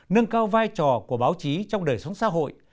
nâng cao vai trò của báo chí trong đời sống xã hội